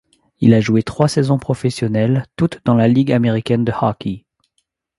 Il a joué trois saisons professionnelles, toutes dans la Ligue américaine de hockey.